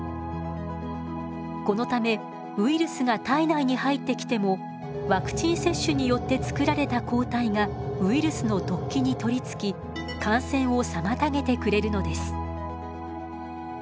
このためウイルスが体内に入ってきてもワクチン接種によってつくられた抗体がウイルスの突起に取りつき感染を妨げてくれるのです。